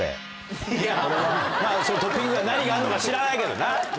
トッピング何があるのか知らないけどな。